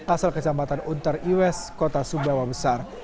asal kecamatan unter iwes kota sumbawa besar